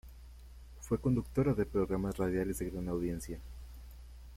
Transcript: Fue conductora de programas radiales de gran audiencia.